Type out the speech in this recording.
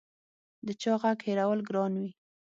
د چا غږ هېرول ګران وي